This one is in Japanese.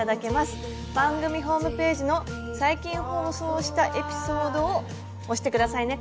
番組ホームページの「最近放送したエピソード」を押して下さいね。